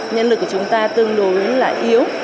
nhân lực của chúng ta tương đối là yếu